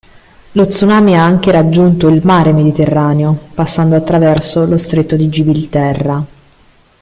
Lo tsunami ha anche raggiunto il mare Mediterraneo, passando attraverso lo Stretto di Gibilterra.